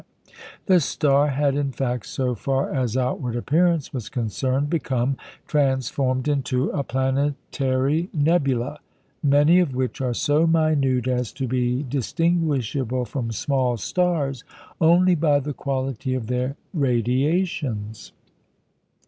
The star had, in fact, so far as outward appearance was concerned, become transformed into a planetary nebula, many of which are so minute as to be distinguishable from small stars only by the quality of their radiations.